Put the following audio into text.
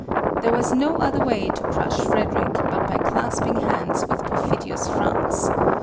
There was no other way to crush Frederic, but by clasping hands with perfidious France.